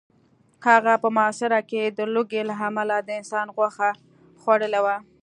هغه په محاصره کې د لوږې له امله د انسان غوښه خوړلې وه